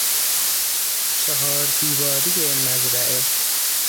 چهار دیواری مزرعه